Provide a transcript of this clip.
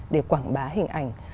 để quảng bá hình ảnh